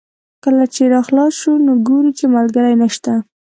کله چې را خلاص شو نو ګوري چې ملګری یې نشته.